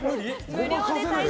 ごまかせない。